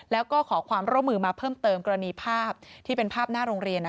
แล้วก็ขอความร่วมมือมาเพิ่มเติมกรณีภาพที่เป็นภาพหน้าโรงเรียน